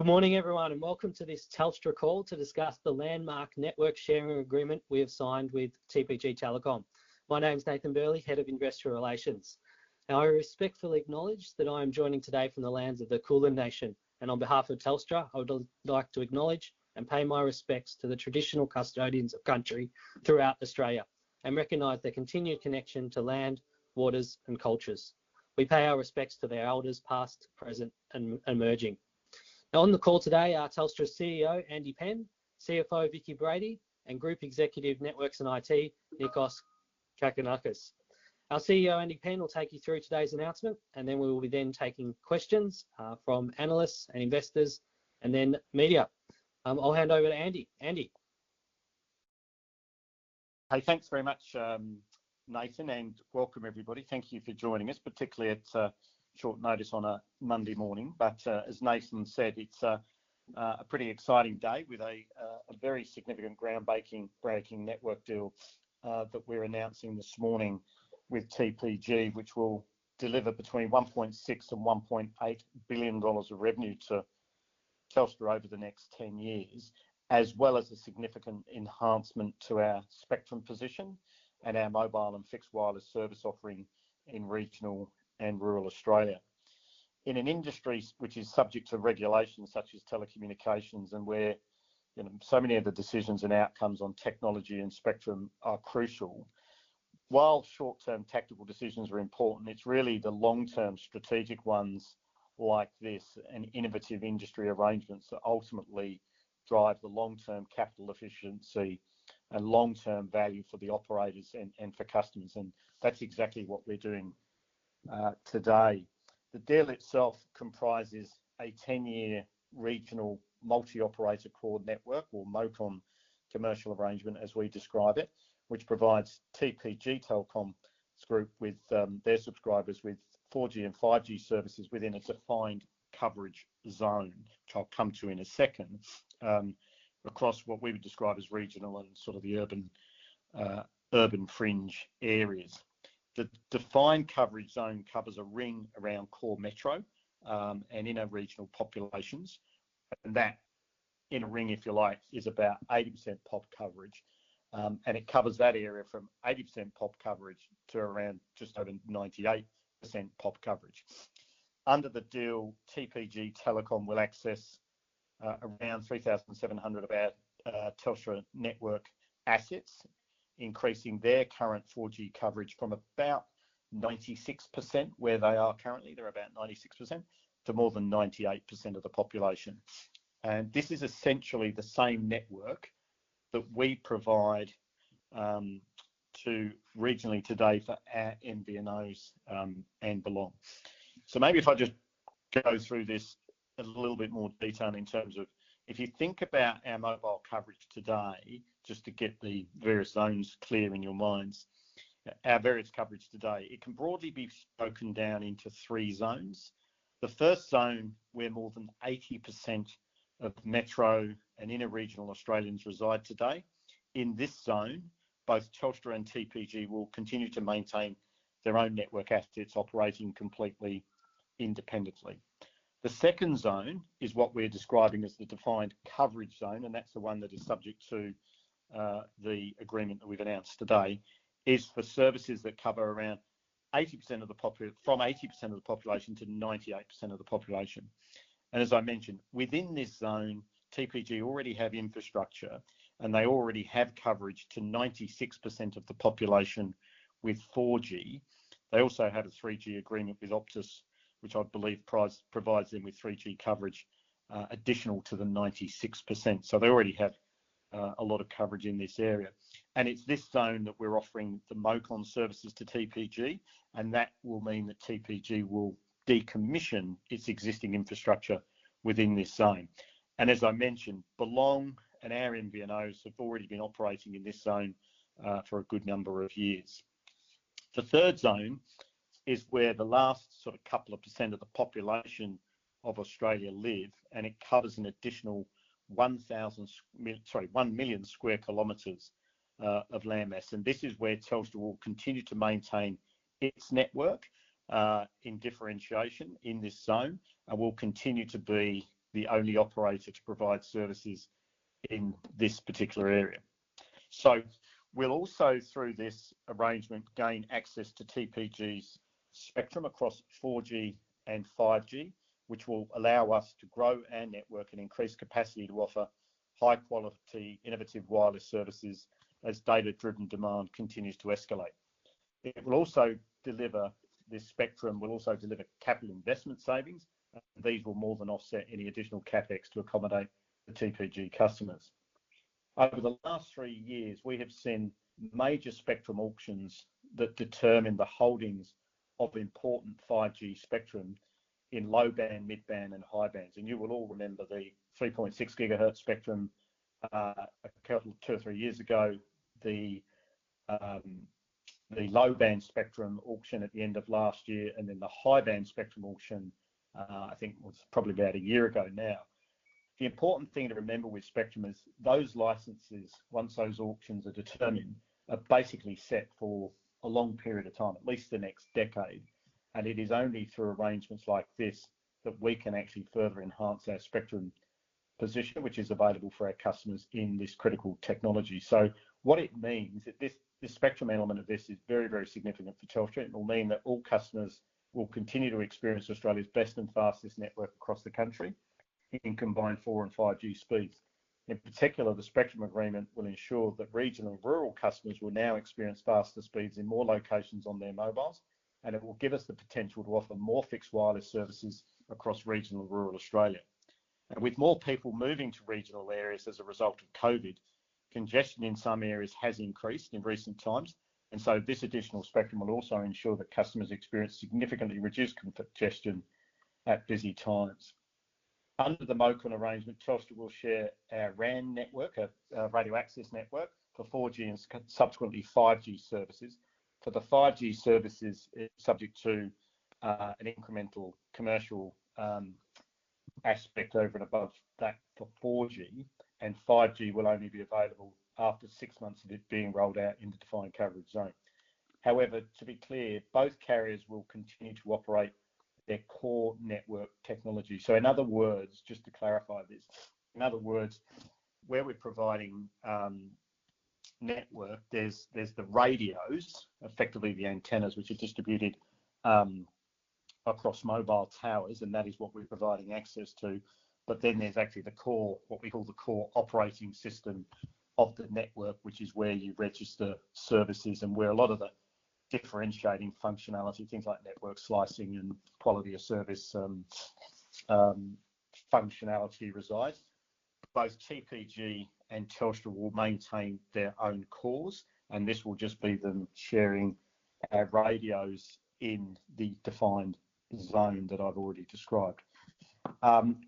Good morning, everyone, and welcome to this Telstra call to discuss the landmark network sharing agreement we have signed with TPG Telecom. My name's Nathan Burley, Head of Investor Relations. I respectfully acknowledge that I am joining today from the lands of the Kulin Nation, and on behalf of Telstra, I would like to acknowledge and pay my respects to the traditional custodians of Country throughout Australia and recognise their continued connection to land, waters, and cultures. We pay our respects to their elders past, present, and emerging. On the call today are Telstra's CEO, Andy Penn; CFO, Vicki Brady; and Group Executive Networks and IT, Nikos Katinakis. Our CEO, Andy Penn, will take you through today's announcement, and then we will be then taking questions from analysts and investors, and then media. I'll hand over to Andy. Andy. Thanks very much, Nathan, and welcome, everybody. Thank you for joining us, particularly at short notice on a Monday morning. But as Nathan said, it's a pretty exciting day with a very significant groundbreaking network deal that we're announcing this morning with TPG, which will deliver between 1.6 billion and 1.8 billion dollars of revenue to Telstra over the next 10 years, as well as a significant enhancement to our spectrum position and our mobile and fixed wireless service offering in regional and rural Australia. In an industry which is subject to regulations such as telecommunications and where so many of the decisions and outcomes on technology and spectrum are crucial, while short-term tactical decisions are important, it's really the long-term strategic ones like this and innovative industry arrangements that ultimately drive the long-term capital efficiency and long-term value for the operators and for customers. That's exactly what we're doing today. The deal itself comprises a 10-year regional multi-operator core network, or MOCN commercial arrangement as we describe it, which provides TPG Telecom with their subscribers with 4G and 5G services within a defined coverage zone, which I'll come to in a second, across what we would describe as regional and sort of the urban fringe areas. The defined coverage zone covers a ring around core metro and inner regional populations. And that inner ring, if you like, is about 80% pop coverage. And it covers that area from 80% pop coverage to around just over 98% pop coverage. Under the deal, TPG Telecom will access around 3,700 of our Telstra network assets, increasing their current 4G coverage from about 96% where they are currently—they're about 96%—to more than 98% of the population. This is essentially the same network that we provide regionally today for our MVNOs and Belong. So maybe if I just go through this a little bit more detail in terms of if you think about our mobile coverage today, just to get the various zones clear in your minds, our various coverage today, it can broadly be broken down into three zones. The first zone, where more than 80% of metro and inner regional Australians reside today. In this zone, both Telstra and TPG will continue to maintain their own network assets operating completely independently. The second zone is what we're describing as the defined coverage zone, and that's the one that is subject to the agreement that we've announced today, is for services that cover around 80% of the population from 80%-98% of the population. As I mentioned, within this zone, TPG already have infrastructure, and they already have coverage to 96% of the population with 4G. They also have a 3G agreement with Optus, which I believe provides them with 3G coverage additional to the 96%. So they already have a lot of coverage in this area. It's this zone that we're offering the MOCN services to TPG, and that will mean that TPG will decommission its existing infrastructure within this zone. As I mentioned, Belong and our MVNOs have already been operating in this zone for a good number of years. The third zone is where the last sort of couple of percent of the population of Australia live, and it covers an additional 1 million square kilometers of landmass. This is where Telstra will continue to maintain its network in differentiation in this zone and will continue to be the only operator to provide services in this particular area. We'll also, through this arrangement, gain access to TPG's spectrum across 4G and 5G, which will allow us to grow our network and increase capacity to offer high-quality, innovative wireless services as data-driven demand continues to escalate. It will also deliver this spectrum will also deliver capital investment savings, and these will more than offset any additional CapEx to accommodate the TPG customers. Over the last 3 years, we have seen major spectrum auctions that determine the holdings of important 5G spectrum in low-band, mid-band, and high-bands. You will all remember the 3.6 GHz spectrum a couple of 2 or 3 years ago, the low-band spectrum auction at the end of last year, and then the high-band spectrum auction, I think, was probably about 1 year ago now. The important thing to remember with spectrum is those licenses, once those auctions are determined, are basically set for a long period of time, at least the next decade. It is only through arrangements like this that we can actually further enhance our spectrum position, which is available for our customers in this critical technology. What it means is that this spectrum element of this is very, very significant for Telstra. It will mean that all customers will continue to experience Australia's best and fastest network across the country in combined 4G and 5G speeds. In particular, the spectrum agreement will ensure that regional and rural customers will now experience faster speeds in more locations on their mobiles, and it will give us the potential to offer more fixed wireless services across regional and rural Australia. With more people moving to regional areas as a result of COVID, congestion in some areas has increased in recent times. So this additional spectrum will also ensure that customers experience significantly reduced congestion at busy times. Under the MOCN arrangement, Telstra will share our RAN network, our radio access network, for 4G and subsequently 5G services. For the 5G services, it's subject to an incremental commercial aspect over and above that for 4G, and 5G will only be available after six months of it being rolled out in the defined coverage zone. However, to be clear, both carriers will continue to operate their core network technology. So in other words, just to clarify this, in other words, where we're providing network, there's the radios, effectively the antennas, which are distributed across mobile towers, and that is what we're providing access to. But then there's actually the core, what we call the core operating system of the network, which is where you register services and where a lot of the differentiating functionality, things like network slicing and quality of service functionality, resides. Both TPG and Telstra will maintain their own cores, and this will just be them sharing our radios in the defined zone that I've already described.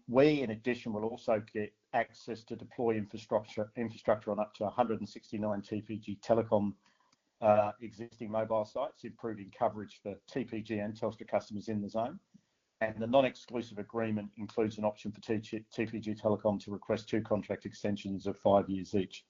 We, in addition, will also get access to deploy infrastructure on up to 169 TPG Telecom existing mobile sites, improving coverage for TPG and Telstra customers in the zone. And the non-exclusive agreement includes an option for TPG Telecom to request two contract extensions of five years each.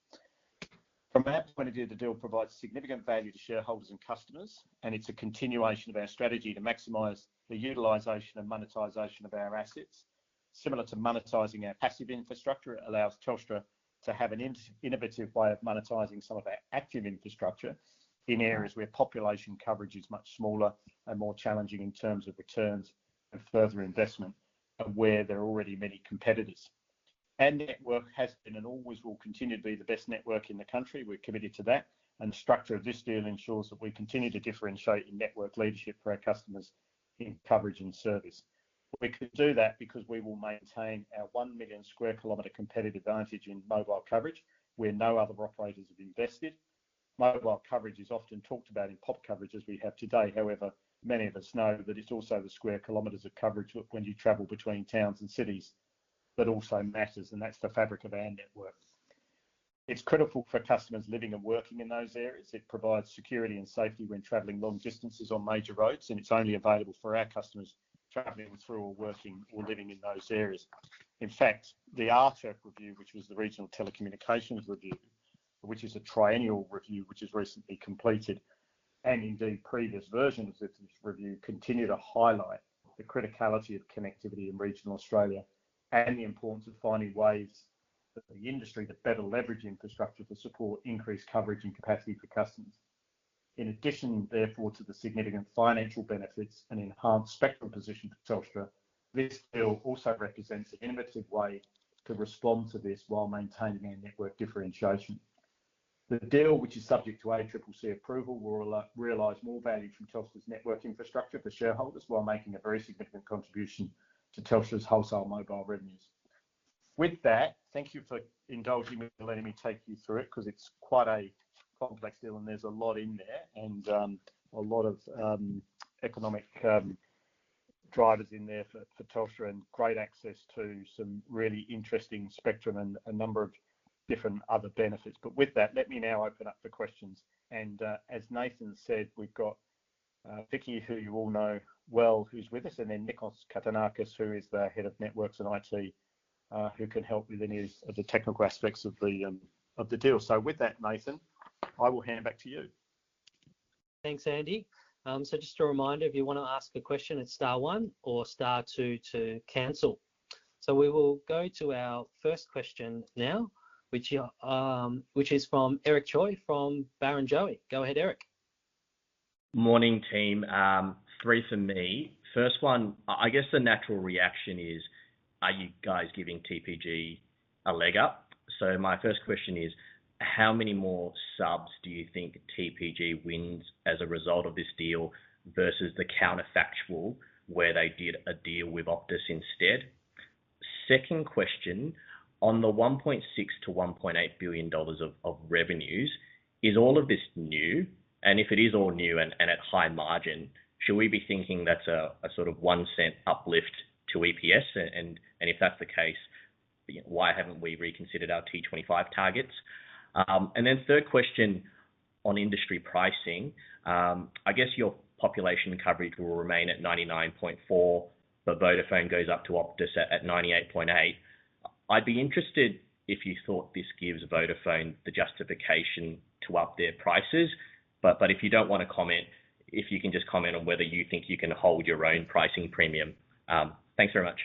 From our point of view, the deal provides significant value to shareholders and customers, and it's a continuation of our strategy to maximize the utilization and monetization of our assets. Similar to monetizing our passive infrastructure, it allows Telstra to have an innovative way of monetizing some of our active infrastructure in areas where population coverage is much smaller and more challenging in terms of returns and further investment and where there are already many competitors. Our network has been and always will continue to be the best network in the country. We're committed to that. And the structure of this deal ensures that we continue to differentiate in network leadership for our customers in coverage and service. We can do that because we will maintain our 1 million square kilometer competitive advantage in mobile coverage where no other operators have invested. Mobile coverage is often talked about in pop coverage as we have today. However, many of us know that it's also the square kilometers of coverage when you travel between towns and cities that also matters, and that's the fabric of our network. It's critical for customers living and working in those areas. It provides security and safety when travelling long distances on major roads, and it's only available for our customers travelling through or working or living in those areas. In fact, the RTIRC review, which was the Regional Telecommunications Review, which is a triennial review which has recently completed, and indeed previous versions of this review continue to highlight the criticality of connectivity in regional Australia and the importance of finding ways for the industry to better leverage infrastructure to support increased coverage and capacity for customers. In addition, therefore, to the significant financial benefits and enhanced spectrum position for Telstra, this deal also represents an innovative way to respond to this while maintaining our network differentiation. The deal, which is subject to ACCC approval, will realize more value from Telstra's network infrastructure for shareholders while making a very significant contribution to Telstra's wholesale mobile revenues. With that, thank you for indulging me in letting me take you through it because it's quite a complex deal, and there's a lot in there and a lot of economic drivers in there for Telstra and great access to some really interesting spectrum and a number of different other benefits. But with that, let me now open up for questions. As Nathan said, we've got Vicki, who you all know well who's with us, and then Nikos Katinakis, who is the head of Networks and IT, who can help with any of the technical aspects of the deal. So with that, Nathan, I will hand back to you. Thanks, Andy. So just a reminder, if you want to ask a question, it's star one or star two to cancel. So we will go to our first question now, which is from Eric Choi from Barrenjoey. Go ahead, Eric. Morning, team. 3 for me. First one, I guess the natural reaction is, "Are you guys giving TPG a leg up?" So my first question is, how many more subs do you think TPG wins as a result of this deal versus the counterfactual where they did a deal with Optus instead? Second question, on the 1.6 billion-1.8 billion dollars of revenues, is all of this new? And if it is all new and at high margin, should we be thinking that's a sort of 1 cent uplift to EPS? And if that's the case, why haven't we reconsidered our T25 targets? And then third question on industry pricing. I guess your population coverage will remain at 99.4%, but Vodafone goes up to Optus at 98.8%. I'd be interested if you thought this gives Vodafone the justification to up their prices. But if you don't want to comment, if you can just comment on whether you think you can hold your own pricing premium? Thanks very much.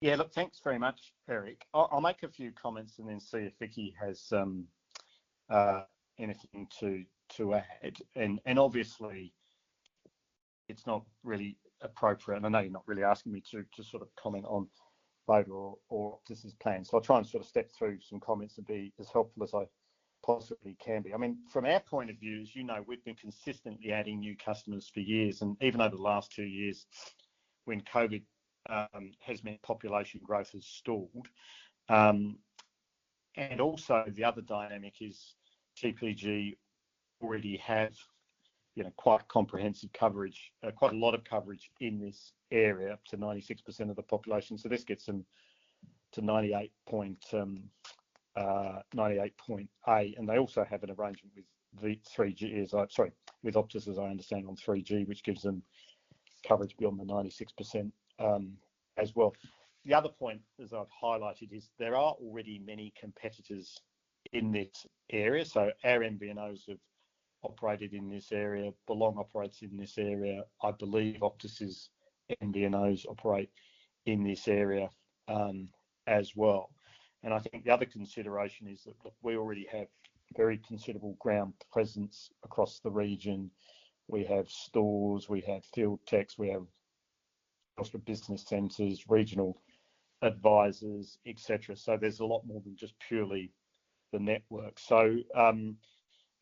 Yeah. Look, thanks very much, Eric. I'll make a few comments and then see if Vicki has anything to add. And obviously, it's not really appropriate and I know you're not really asking me to sort of comment on Vodafone or Optus's plans. So I'll try and sort of step through some comments and be as helpful as I possibly can be. I mean, from our point of view, as you know, we've been consistently adding new customers for years. And even over the last two years, when COVID has meant population growth has stalled. And also, the other dynamic is TPG already have quite comprehensive coverage, quite a lot of coverage in this area up to 96% of the population. So this gets them to 98%. And they also have an arrangement with Optus, as I understand, on 3G, which gives them coverage beyond the 96% as well. The other point, as I've highlighted, is that there are already many competitors in this area. So our MVNOs have operated in this area. Belong operates in this area. I believe Optus's MVNOs operate in this area as well. And I think the other consideration is that, look, we already have very considerable ground presence across the region. We have stores. We have field techs. We have Telstra Business Centres, regional advisors, etc. So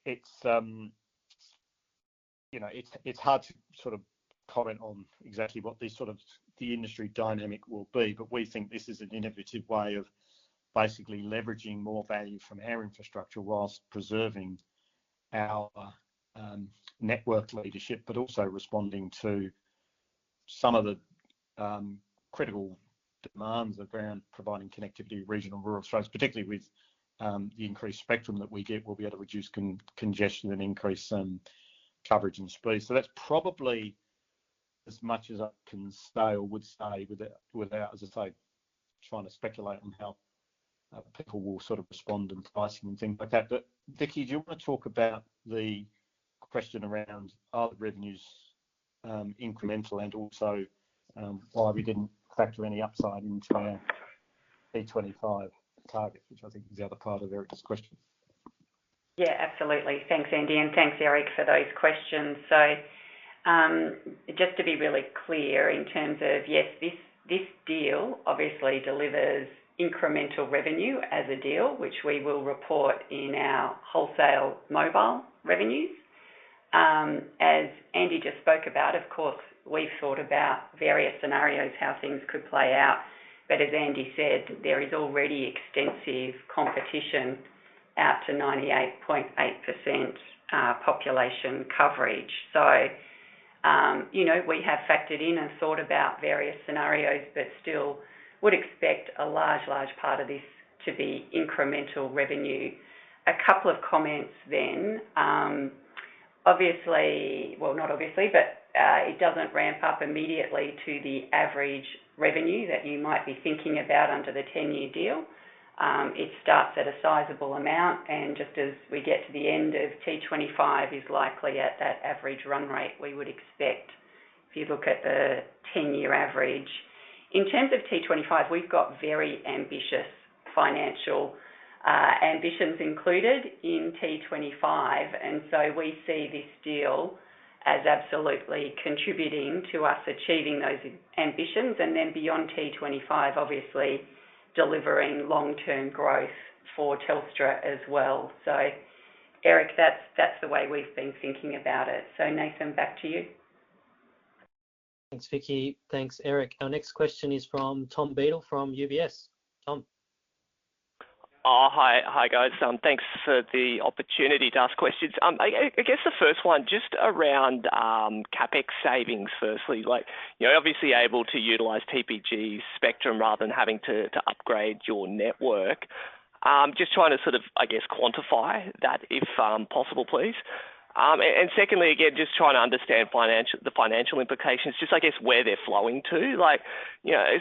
it's hard to sort of comment on exactly what sort of industry dynamic will be. But we think this is an innovative way of basically leveraging more value from our infrastructure while preserving our network leadership, but also responding to some of the critical demands around providing connectivity in regional and rural areas, particularly with the increased spectrum that we get. We'll be able to reduce congestion and increase coverage and speed. So that's probably as much as I can say or would say without, as I say, trying to speculate on how people will sort of respond in pricing and things like that. But Vicki, do you want to talk about the question around are the revenues incremental and also why we didn't factor any upside into our T25 targets, which I think is the other part of Eric's question? Yeah, absolutely. Thanks, Andy. And thanks, Eric, for those questions. So just to be really clear in terms of, yes, this deal obviously delivers incremental revenue as a deal, which we will report in our wholesale mobile revenues. As Andy just spoke about, of course, we've thought about various scenarios, how things could play out. But as Andy said, there is already extensive competition out to 98.8% population coverage. So we have factored in and thought about various scenarios, but still would expect a large, large part of this to be incremental revenue. A couple of comments then. Obviously well, not obviously, but it doesn't ramp up immediately to the average revenue that you might be thinking about under the 10-year deal. It starts at a sizable amount. And just as we get to the end of T25, is likely at that average run rate we would expect if you look at the 10-year average. In terms of T25, we've got very ambitious financial ambitions included in T25. And so we see this deal as absolutely contributing to us achieving those ambitions and then beyond T25, obviously, delivering long-term growth for Telstra as well. So Eric, that's the way we've been thinking about it. So Nathan, back to you. Thanks, Vicki. Thanks, Eric. Our next question is from Tom Beadle from UBS. Tom. Hi, guys. Thanks for the opportunity to ask questions. I guess the first one, just around CapEx savings, firstly. Obviously, able to utilise TPG spectrum rather than having to upgrade your network. Just trying to sort of, I guess, quantify that if possible, please. And secondly, again, just trying to understand the financial implications, just I guess where they're flowing to.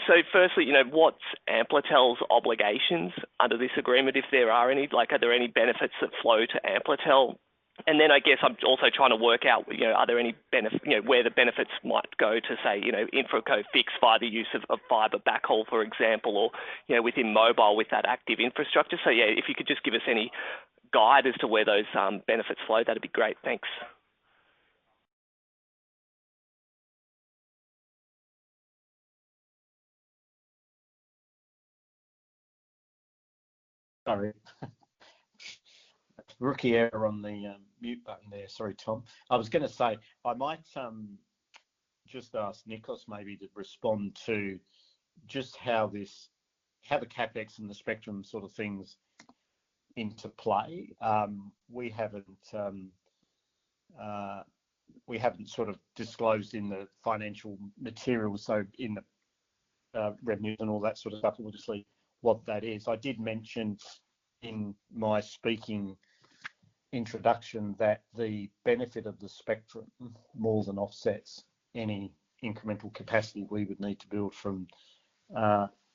So firstly, what's Amplitel's obligations under this agreement, if there are any? Are there any benefits that flow to Amplitel? And then I guess I'm also trying to work out, are there any where the benefits might go to, say, InfraCo Fixed via the use of fibre backhaul, for example, or within mobile with that active infrastructure? So yeah, if you could just give us any guide as to where those benefits flow, that'd be great. Thanks. Sorry. Rookie error on the mute button there. Sorry, Tom. I was going to say I might just ask Nikos maybe to respond to just how the CapEx and the spectrum sort of things interplay. We haven't sort of disclosed in the financial materials, so in the revenues and all that sort of stuff, obviously, what that is. I did mention in my speaking introduction that the benefit of the spectrum more than offsets any incremental capacity we would need to build from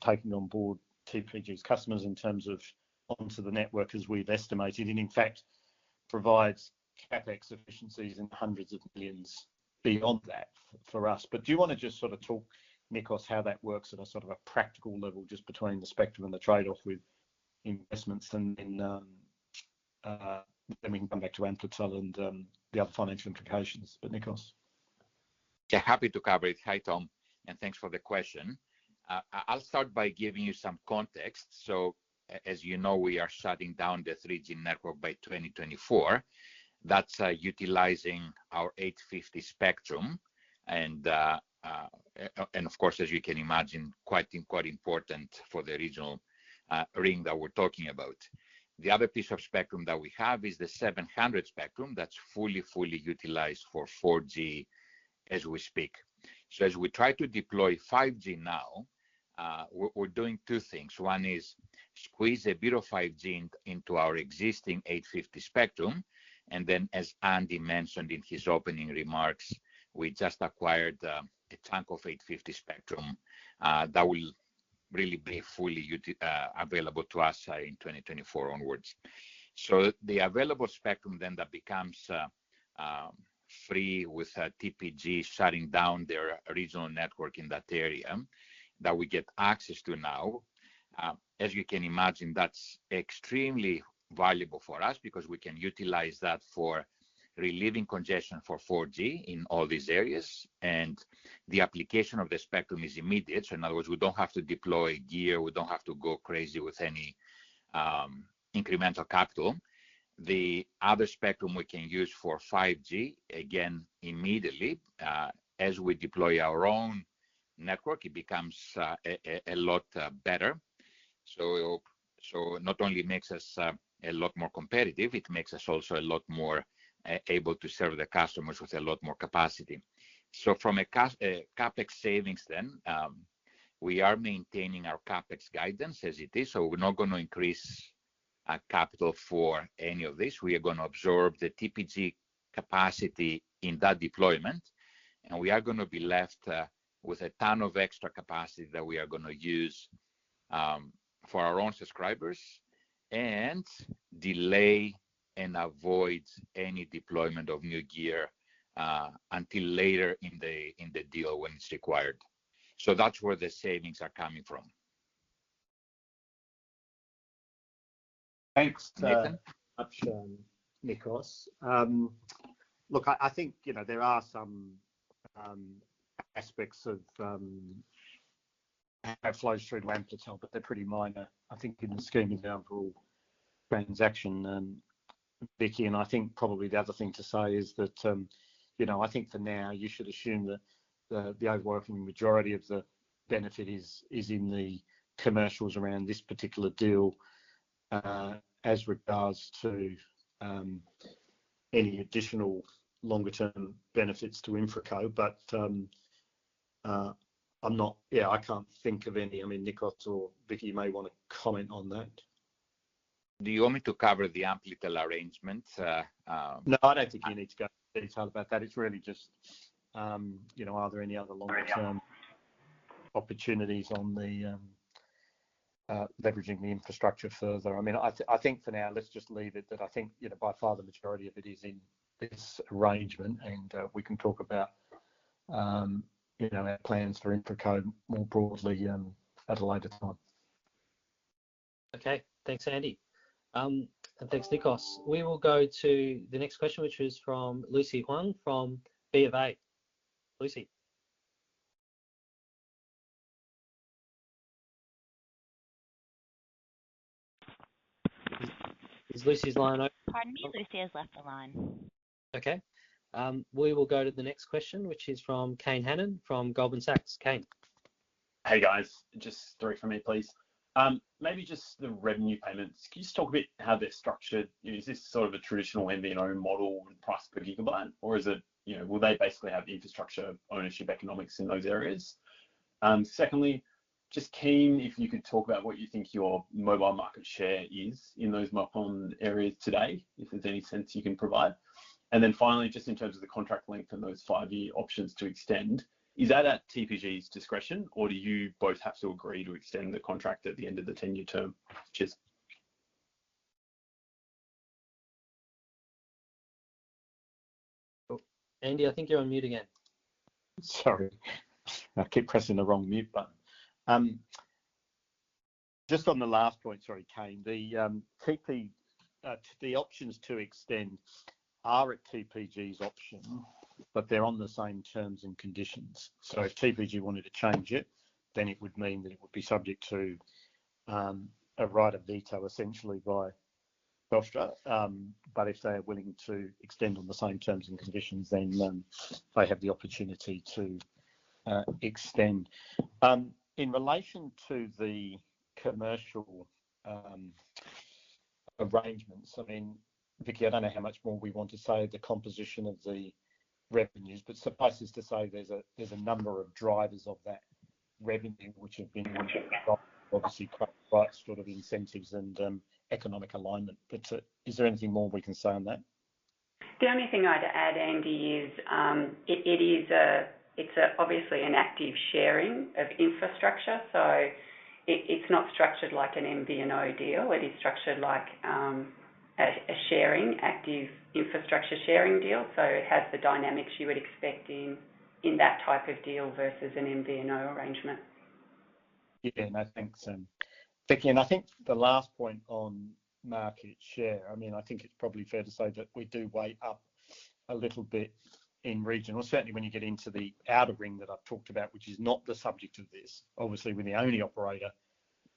taking on board TPG's customers in terms of onto the network as we've estimated. And in fact, provides CapEx efficiencies in AUD 100 of millions beyond that for us. But do you want to just sort of talk, Nikos, how that works at a sort of a practical level just between the spectrum and the trade-off with investments? And then we can come back to Amplitel and the other financial implications. But Nikos. Yeah, happy to cover it. Hi, Tom. And thanks for the question. I'll start by giving you some context. So as you know, we are shutting down the 3G network by 2024. That's utilizing our 850 spectrum and, of course, as you can imagine, quite important for the regional ring that we're talking about. The other piece of spectrum that we have is the 700 spectrum that's fully, fully utilized for 4G as we speak. So as we try to deploy 5G now, we're doing two things. One is squeeze a bit of 5G into our existing 850 spectrum. And then, as Andy mentioned in his opening remarks, we just acquired a chunk of 850 spectrum that will really be fully available to us in 2024 onwards. So the available spectrum then that becomes free with TPG shutting down their regional network in that area that we get access to now, as you can imagine, that's extremely valuable for us because we can utilize that for relieving congestion for 4G in all these areas. And the application of the spectrum is immediate. So in other words, we don't have to deploy gear. We don't have to go crazy with any incremental capital. The other spectrum we can use for 5G, again, immediately, as we deploy our own network, it becomes a lot better. So not only makes us a lot more competitive, it makes us also a lot more able to serve the customers with a lot more capacity. So from a CapEx savings then, we are maintaining our CapEx guidance as it is. So we're not going to increase capital for any of this. We are going to absorb the TPG capacity in that deployment. We are going to be left with a ton of extra capacity that we are going to use for our own subscribers and delay and avoid any deployment of new gear until later in the deal when it's required. That's where the savings are coming from. Thanks, Nathan. Thanks, Nikos. Look, I think there are some aspects of flows through to Amplitel, but they're pretty minor. I think in the scheme example transaction and Vicki, and I think probably the other thing to say is that I think for now, you should assume that the overwhelming majority of the benefit is in the commercials around this particular deal as regards to any additional longer-term benefits to InfraCo. But yeah, I can't think of any. I mean, Nikos or Vicki, you may want to comment on that. Do you want me to cover the Amplitel arrangement? No, I don't think you need to go into detail about that. It's really just, are there any other longer-term opportunities on leveraging the infrastructure further? I mean, I think for now, let's just leave it that I think by far the majority of it is in this arrangement. And we can talk about our plans for InfraCo more broadly at a later time. Okay. Thanks, Andy. And thanks, Nikos. We will go to the next question, which is from Lucy Huang from BofA. Lucy. Is Lucy's line open? Pardon me. Lucy has left the line. Okay. We will go to the next question, which is from Kane Hannan from Goldman Sachs. Kane. Hey, guys. Just three from me, please. Maybe just the revenue payments. Can you just talk a bit how they're structured? Is this sort of a traditional MVNO model with price per gigabyte, or will they basically have infrastructure ownership economics in those areas? Secondly, just keen if you could talk about what you think your mobile market share is in those mobile areas today, if there's any sense you can provide. And then finally, just in terms of the contract length and those 5-year options to extend, is that at TPG's discretion, or do you both have to agree to extend the contract at the end of the 10-year term? Andy, I think you're on mute again. Sorry. I keep pressing the wrong mute button. Just on the last point, sorry, Kane, the options to extend are at TPG's option, but they're on the same terms and conditions. So if TPG wanted to change it, then it would mean that it would be subject to a right of veto, essentially, by Telstra. But if they are willing to extend on the same terms and conditions, then they have the opportunity to extend. In relation to the commercial arrangements, I mean, Vicki, I don't know how much more we want to say, the composition of the revenues, but suffices to say there's a number of drivers of that revenue, which have been, obviously, credit rights, sort of incentives, and economic alignment. But is there anything more we can say on that? The only thing I'd add, Andy, is it's obviously an active sharing of infrastructure. So it's not structured like an MVNO deal. It is structured like a sharing, active infrastructure sharing deal. So it has the dynamics you would expect in that type of deal versus an MVNO arrangement. Yeah. No, thanks, Vicki. And I think the last point on market share, I mean, I think it's probably fair to say that we do weigh up a little bit in region, well, certainly when you get into the outer ring that I've talked about, which is not the subject of this, obviously, we're the only operator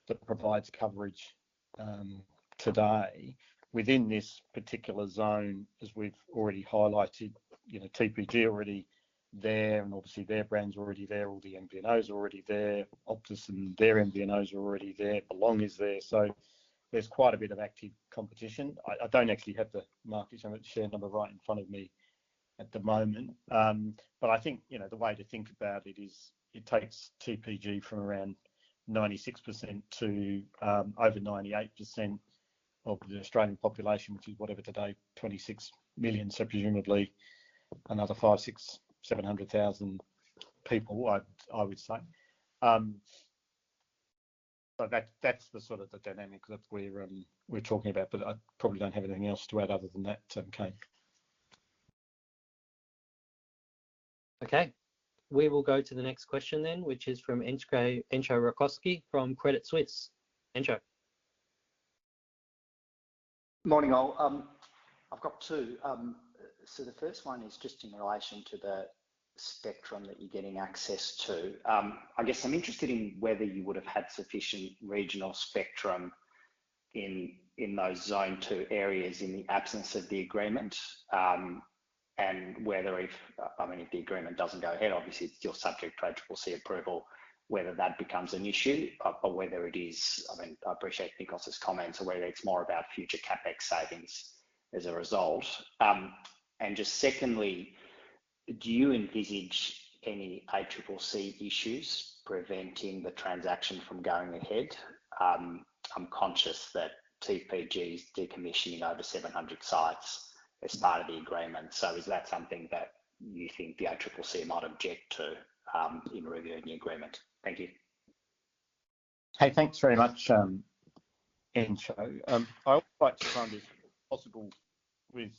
that provides coverage today. Within this particular zone, as we've already highlighted, TPG already there, and obviously, their brand's already there. All the MVNOs are already there. Optus and their MVNOs are already there. Belong is there. So there's quite a bit of active competition. I don't actually have the market share number right in front of me at the moment. But I think the way to think about it is it takes TPG from around 96% to over 98% of the Australian population, which is whatever today, 26 million, so presumably another 500,000-700,000 people, I would say. So that's sort of the dynamic that we're talking about. But I probably don't have anything else to add other than that, Kane. Okay. We will go to the next question then, which is from Entcho Raykovski from Credit Suisse. Entcho. Morning, all. I've got two. So the first one is just in relation to the spectrum that you're getting access to. I guess I'm interested in whether you would have had sufficient regional spectrum in those zone two areas in the absence of the agreement and whether if I mean, if the agreement doesn't go ahead, obviously, it's still subject to ACCC approval, whether that becomes an issue or whether it is I mean, I appreciate Nikos's comments or whether it's more about future CapEx savings as a result. And just secondly, do you envisage any ACCC issues preventing the transaction from going ahead? I'm conscious that TPG's decommissioning over 700 sites as part of the agreement. So is that something that you think the ACCC might object to in reviewing the agreement? Thank you. Hey, thanks very much, Entcho. I would like to be as frank as possible with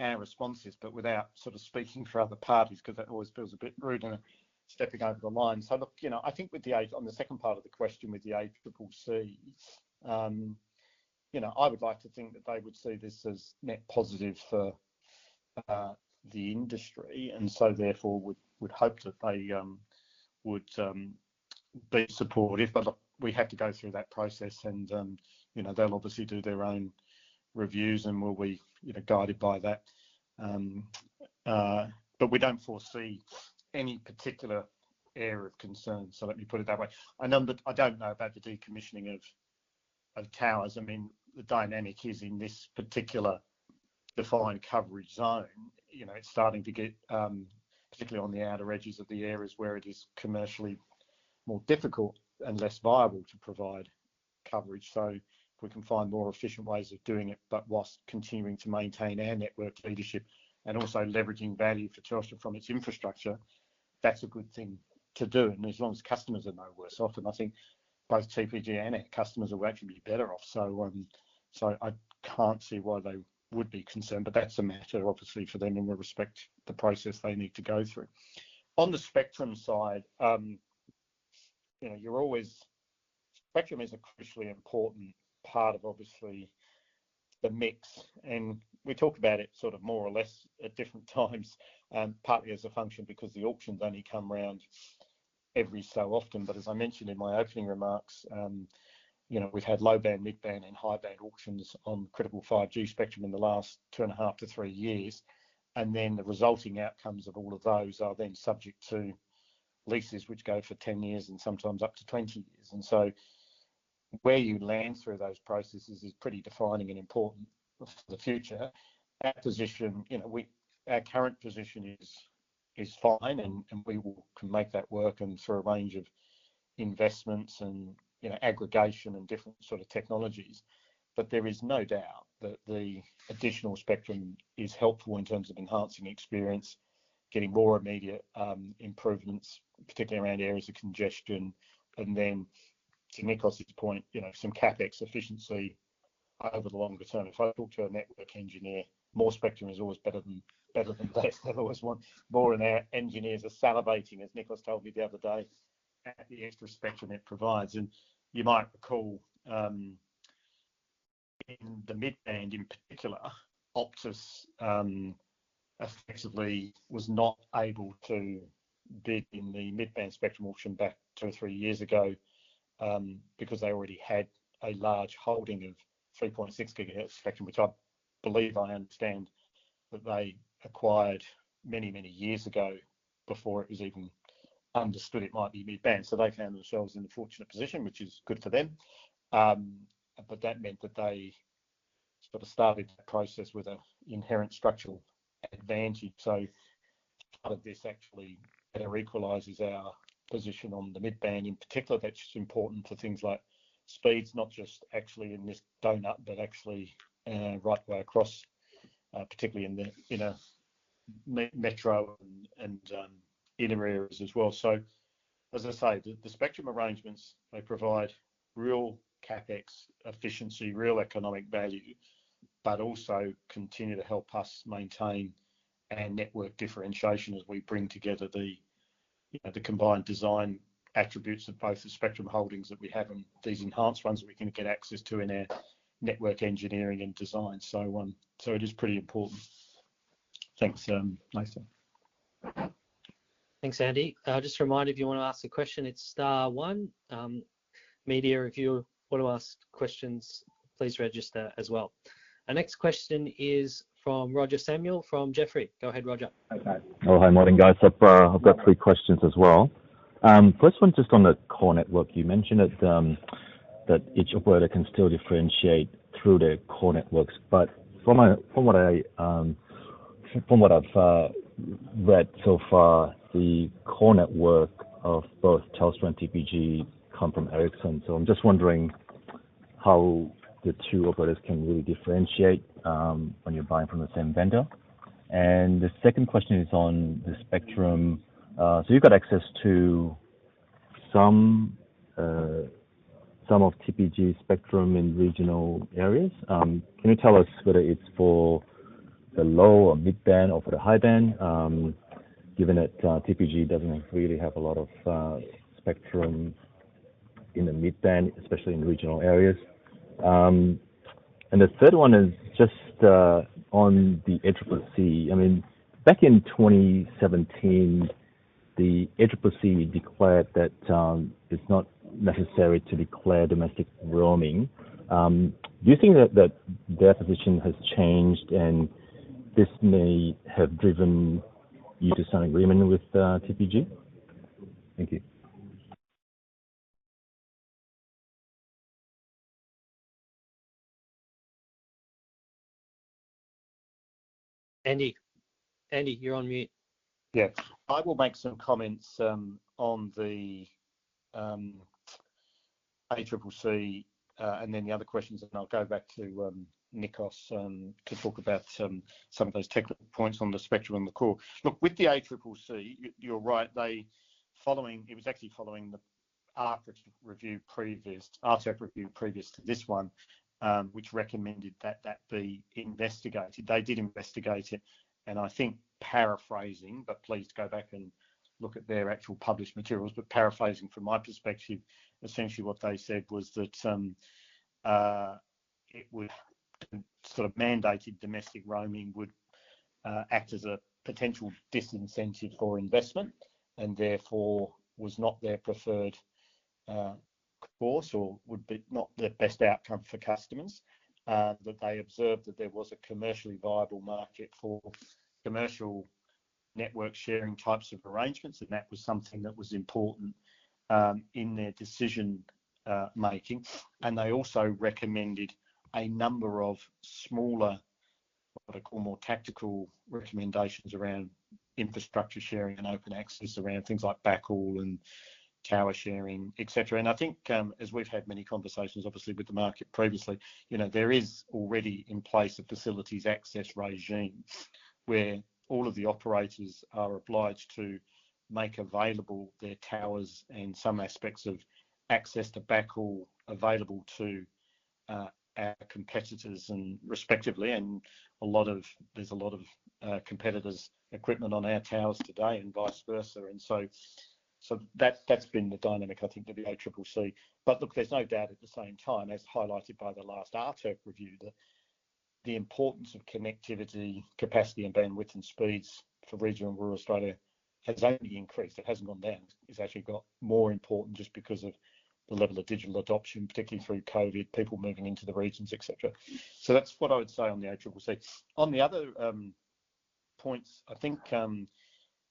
our responses, but without sort of speaking for other parties because that always feels a bit rude and stepping over the line. So look, I think on the second part of the question with the ACCC, I would like to think that they would see this as net positive for the industry and so therefore would hope that they would be supportive. But look, we have to go through that process. They'll obviously do their own reviews and we'll be guided by that. But we don't foresee any particular area of concern. So let me put it that way. I don't know about the decommissioning of towers. I mean, the dynamic is in this particular defined coverage zone. It's starting to get particularly on the outer edges of the areas where it is commercially more difficult and less viable to provide coverage. So if we can find more efficient ways of doing it but whilst continuing to maintain our network leadership and also leveraging value for Telstra from its infrastructure, that's a good thing to do. And as long as customers are no worse off, often, I think both TPG and our customers will actually be better off. So I can't see why they would be concerned. But that's a matter, obviously, for them in respect to the process they need to go through. On the spectrum side, you know, spectrum is a crucially important part of, obviously, the mix. And we talk about it sort of more or less at different times, partly as a function because the auctions only come round every so often. But as I mentioned in my opening remarks, we've had low-band, mid-band, and high-band auctions on critical 5G spectrum in the last 2.5-3 years. And then the resulting outcomes of all of those are then subject to leases, which go for 10 years and sometimes up to 20 years. And so where you land through those processes is pretty defining and important for the future. Our current position is fine. And we can make that work through a range of investments and aggregation and different sort of technologies. But there is no doubt that the additional spectrum is helpful in terms of enhancing experience, getting more immediate improvements, particularly around areas of congestion. And then to Nikos's point, some CapEx efficiency over the longer term. If I talk to a network engineer, more spectrum is always better than less. They'll always want more in there. Engineers are salivating, as Nikos told me the other day, at the extra spectrum it provides. And you might recall in the mid-band, in particular, Optus effectively was not able to bid in the mid-band spectrum auction back two or three years ago because they already had a large holding of 3.6 GHz spectrum, which I believe I understand that they acquired many, many years ago before it was even understood it might be mid-band. So they found themselves in a fortunate position, which is good for them. But that meant that they sort of started that process with an inherent structural advantage. So part of this actually better equalizes our position on the mid-band. In particular, that's just important for things like speeds, not just actually in this donut, but actually right way across, particularly in metro and inner areas as well. So as I say, the spectrum arrangements, they provide real CapEx efficiency, real economic value, but also continue to help us maintain our network differentiation as we bring together the combined design attributes of both the spectrum holdings that we have and these enhanced ones that we can get access to in our network engineering and design. So it is pretty important. Thanks, Nathan. Thanks, Andy. Just a reminder, if you want to ask a question, it's star one. Media review, if you want to ask questions, please register as well. Our next question is from Roger Samuel from Jefferies. Go ahead, Roger. Oh, hi, morning, guys. I've got three questions as well. First one's just on the core network. You mentioned that each operator can still differentiate through their core networks. But from what I've read so far, the core network of both Telstra and TPG come from Ericsson. So I'm just wondering how the two operators can really differentiate when you're buying from the same vendor. And the second question is on the spectrum. So you've got access to some of TPG's spectrum in regional areas. Can you tell us whether it's for the low or mid-band or for the high-band, given that TPG doesn't really have a lot of spectrum in the mid-band, especially in regional areas? And the third one is just on the ACCC. I mean, back in 2017, the ACCC declared that it's not necessary to declare domestic roaming. Do you think that their position has changed and this may have driven you to some agreement with TPG? Thank you. Andy, you're on mute. Yes. I will make some comments on the ACCC and then the other questions. And I'll go back to Nikos to talk about some of those technical points on the spectrum and the core. Look, with the ACCC, you're right. It was actually following the RTIRC review previous to this one, which recommended that that be investigated. They did investigate it. And I think paraphrasing but please go back and look at their actual published materials. But paraphrasing, from my perspective, essentially, what they said was that it sort of mandated domestic roaming would act as a potential disincentive for investment and therefore was not their preferred course or would be not the best outcome for customers. That they observed that there was a commercially viable market for commercial network sharing types of arrangements. And that was something that was important in their decision-making. They also recommended a number of smaller, what I call, more tactical recommendations around infrastructure sharing and open access around things like backhaul and tower sharing, etc. I think, as we've had many conversations, obviously, with the market previously, there is already in place a facilities access regime where all of the operators are obliged to make available their towers and some aspects of access to backhaul available to our competitors, respectively. There's a lot of competitors' equipment on our towers today and vice versa. So that's been the dynamic, I think, of the ACCC. But look, there's no doubt at the same time, as highlighted by the last RTIRC review, that the importance of connectivity, capacity, and bandwidth and speeds for regional and rural Australia has only increased. It hasn't gone down. It's actually got more important just because of the level of digital adoption, particularly through COVID, people moving into the regions, etc. So that's what I would say on the ACCC. On the other points, I think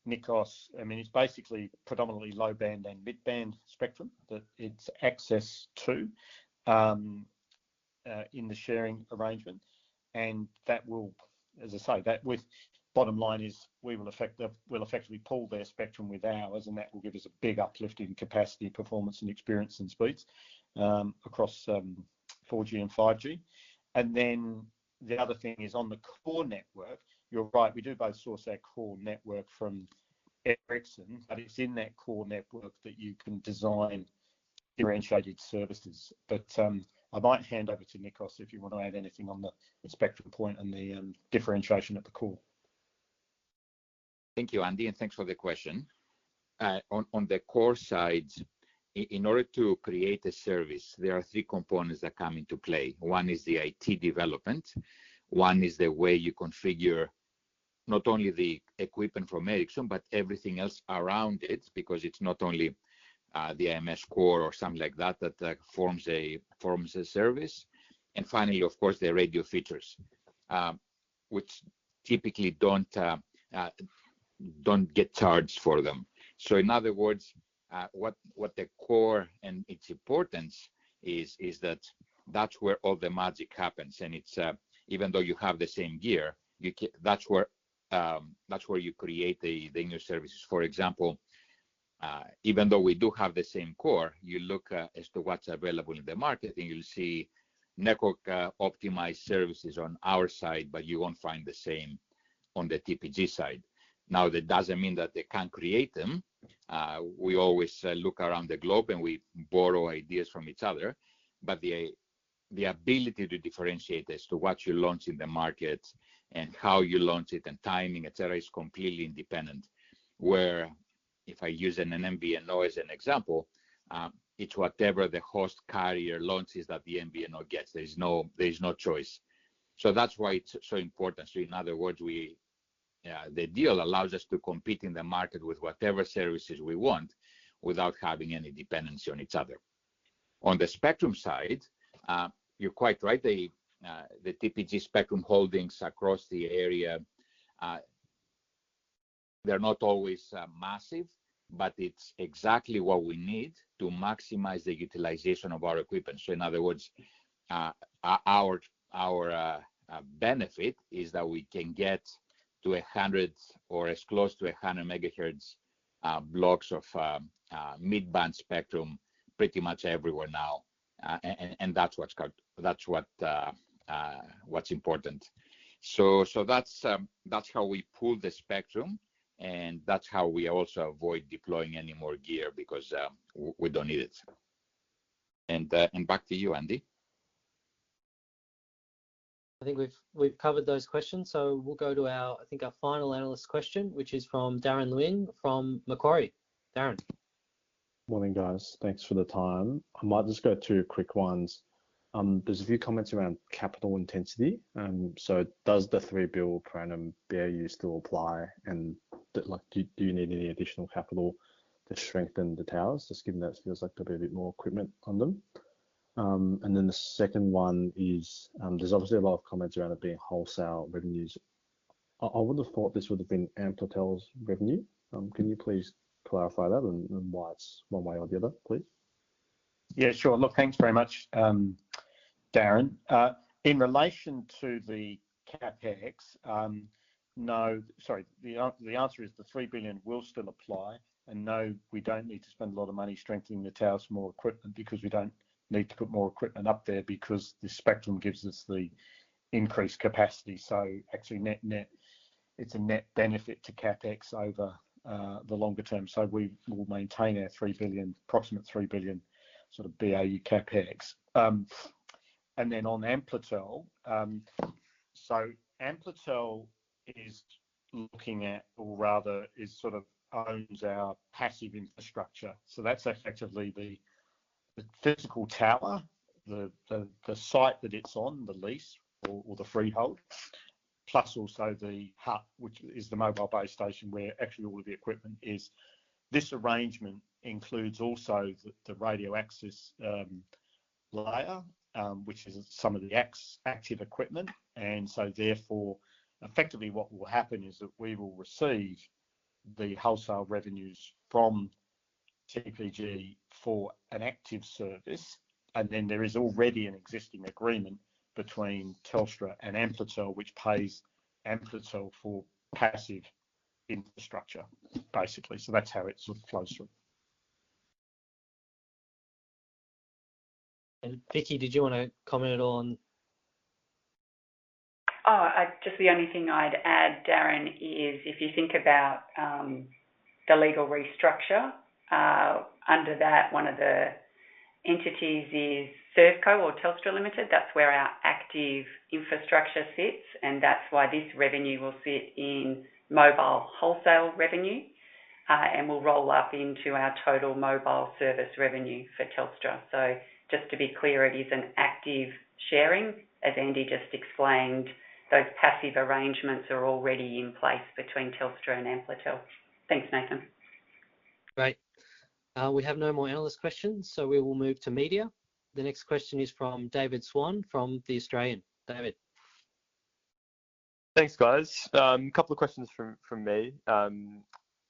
Nikos I mean, it's basically predominantly low-band and mid-band spectrum that it's access to in the sharing arrangement. And as I say, bottom line is we will effectively pool their spectrum with ours. And that will give us a big uplift in capacity, performance, and experience and speeds across 4G and 5G. And then the other thing is on the core network, you're right, we do both source our core network from Ericsson. But it's in that core network that you can design differentiated services. But I might hand over to Nikos if you want to add anything on the spectrum point and the differentiation at the core. Thank you, Andy. Thanks for the question. On the core side, in order to create a service, there are three components that come into play. One is the IT development. One is the way you configure not only the equipment from Ericsson but everything else around it because it's not only the IMS core or something like that that forms a service. And finally, of course, the radio features, which typically don't get charged for them. So in other words, what the core and its importance is, is that that's where all the magic happens. And even though you have the same gear, that's where you create the new services. For example, even though we do have the same core, you look at what's available in the market, and you'll see network-optimized services on our side, but you won't find the same on the TPG side. Now, that doesn't mean that they can't create them. We always look around the globe, and we borrow ideas from each other. But the ability to differentiate as to what you launch in the market and how you launch it and timing, etc., is completely independent. Where if I use an MVNO as an example, it's whatever the host carrier launches that the MVNO gets. There is no choice. So that's why it's so important. So in other words, the deal allows us to compete in the market with whatever services we want without having any dependency on each other. On the spectrum side, you're quite right. The TPG spectrum holdings across the area, they're not always massive. But it's exactly what we need to maximize the utilization of our equipment. So in other words, our benefit is that we can get to 100 or as close to 100 MHz blocks of mid-band spectrum pretty much everywhere now. And that's what's important. So that's how we pool the spectrum. And that's how we also avoid deploying any more gear because we don't need it. And back to you, Andy. I think we've covered those questions. So we'll go to, I think, our final analyst question, which is from Darren Leung from Macquarie. Darren. Morning, guys. Thanks for the time. I might just go two quick ones. There's a few comments around capital intensity. So does the 3 billion per annum still apply? And do you need any additional capital to strengthen the towers, just given that it feels like there'll be a bit more equipment on them? And then the second one is there's obviously a lot of comments around it being wholesale revenues. I would have thought this would have been Amplitel revenue. Can you please clarify that and why it's one way or the other, please? Yeah, sure. Look, thanks very much, Darren. In relation to the CapEx, no sorry, the answer is the 3 billion will still apply. And no, we don't need to spend a lot of money strengthening the towers with more equipment because we don't need to put more equipment up there because the spectrum gives us the increased capacity. So actually, it's a net benefit to CapEx over the longer term. So we will maintain our approximate 3 billion sort of BAU CapEx. And then on Amplitel, so Amplitel is looking at or rather sort of owns our passive infrastructure. So that's effectively the physical tower, the site that it's on, the lease or the freehold, plus also the hut, which is the mobile base station where actually all of the equipment is. This arrangement includes also the radio access layer, which is some of the active equipment. Therefore, effectively, what will happen is that we will receive the wholesale revenues from TPG for an active service. There is already an existing agreement between Telstra and Amplitel, which pays Amplitel for passive infrastructure, basically. That's how it sort of flows through. Vicki, did you want to comment on? Oh, just the only thing I'd add, Darren, is if you think about the legal restructure, under that, one of the entities is ServeCo or Telstra Limited. That's where our active infrastructure sits. And that's why this revenue will sit in mobile wholesale revenue and will roll up into our total mobile service revenue for Telstra. So just to be clear, it is an active sharing. As Andy just explained, those passive arrangements are already in place between Telstra and Amplitel. Thanks, Nathan. Great. We have no more analyst questions, so we will move to media. The next question is from David Swan from The Australian. David. Thanks, guys. A couple of questions from me.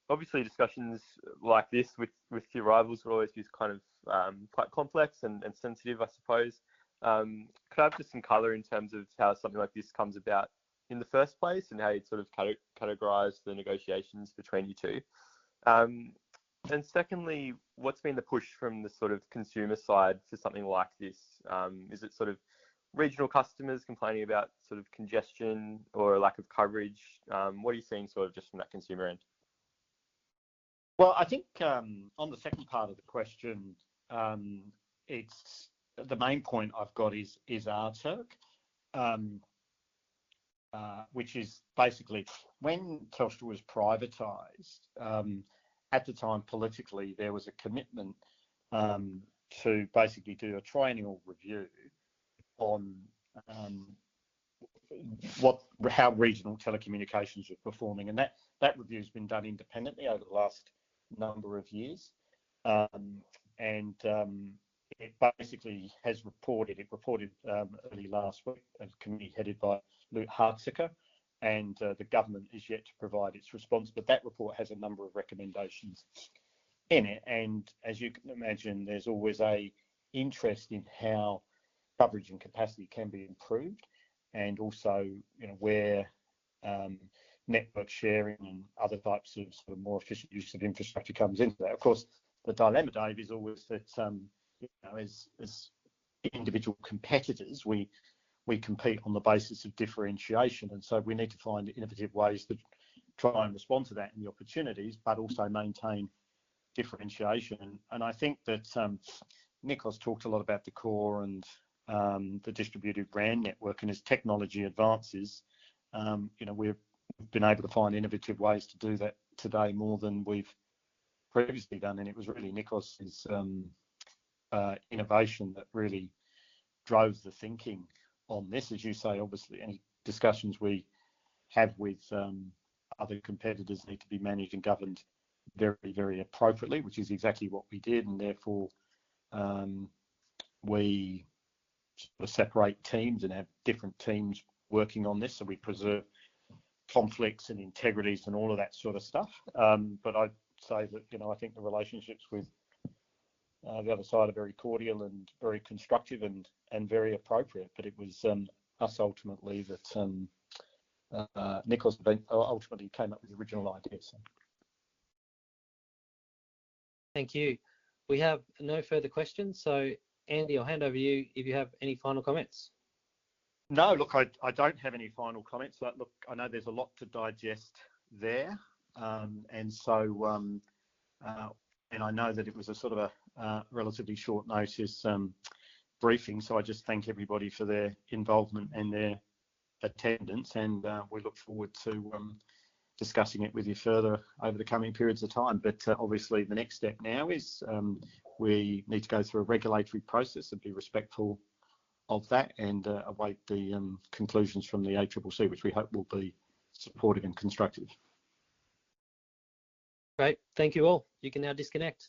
Obviously, discussions like this with your rivals will always be kind of quite complex and sensitive, I suppose. Could I have just some color in terms of how something like this comes about in the first place and how you sort of categorise the negotiations between you two? And secondly, what's been the push from the sort of consumer side for something like this? Is it sort of regional customers complaining about sort of congestion or lack of coverage? What are you seeing sort of just from that consumer end? Well, I think on the second part of the question, the main point I've got is RTIRC, which is basically. When Telstra was privatized, at the time, politically, there was a commitment to basically do a triennial review on how regional telecommunications were performing. That review's been done independently over the last number of years. It basically has reported early last week at a committee headed by Luke Hartsuyker. The government is yet to provide its response. But that report has a number of recommendations in it. As you can imagine, there's always an interest in how coverage and capacity can be improved and also where network sharing and other types of sort of more efficient use of infrastructure comes into that. Of course, the dilemma, Dave, is always that as individual competitors, we compete on the basis of differentiation. We need to find innovative ways to try and respond to that and the opportunities but also maintain differentiation. I think that Nikos talked a lot about the core and the distributed RAN. As technology advances, we've been able to find innovative ways to do that today more than we've previously done. It was really Nikos's innovation that really drove the thinking on this. As you say, obviously, any discussions we have with other competitors need to be managed and governed very, very appropriately, which is exactly what we did. Therefore, we sort of separate teams and have different teams working on this. We preserve conflicts and integrities and all of that sort of stuff. I'd say that I think the relationships with the other side are very cordial and very constructive and very appropriate. But it was us ultimately that Nikos ultimately came up with the original idea, so. Thank you. We have no further questions. Andy, I'll hand over to you if you have any final comments. No, look, I don't have any final comments. Look, I know there's a lot to digest there. I know that it was a sort of a relatively short notice briefing. I just thank everybody for their involvement and their attendance. And we look forward to discussing it with you further over the coming periods of time. But obviously, the next step now is we need to go through a regulatory process and be respectful of that and await the conclusions from the ACCC, which we hope will be supportive and constructive. Great. Thank you all. You can now disconnect.